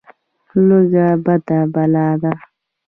لوږه بده بلا ده.